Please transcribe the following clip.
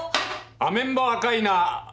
アメンボ赤いな。